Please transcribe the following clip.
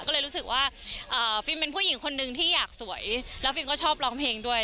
ก็เลยรู้สึกว่าฟิล์มเป็นผู้หญิงคนนึงที่อยากสวยแล้วฟิล์ก็ชอบร้องเพลงด้วย